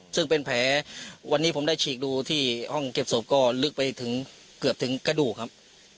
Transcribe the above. ซึ่งเป็นแผลวันนี้ผมได้ฉีกดูที่ห้องเก็บศพก็ลึกไปถึงเกือบถึงกระดูกครับ